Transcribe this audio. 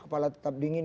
kepala tetap dingin